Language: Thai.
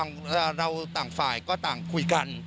เราต่างฝ่ายก็ต่างคุยกัน